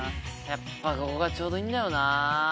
やっぱここがちょうどいいんだよな。